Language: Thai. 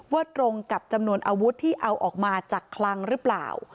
ตรงกับจำนวนอาวุธที่เอาออกมาจากคลังหรือเปล่า